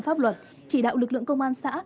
pháp luật chỉ đạo lực lượng công an xã